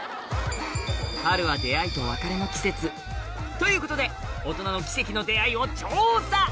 春は出会いと別れの季節ということで大人の奇跡の出会いを調査！